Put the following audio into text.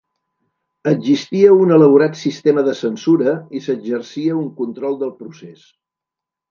Existia un elaborat sistema de censura i s'exercia un control del procés.